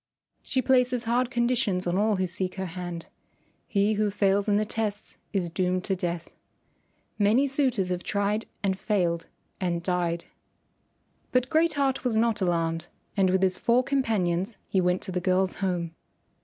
She places hard conditions on all who seek her hand. He who fails in the tests is doomed to death. Many suitors have tried and failed and died." But Great Heart was not alarmed, and with his four companions he went to the girl's home.